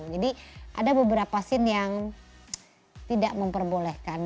jadi ada beberapa scene yang tidak memperbolehkan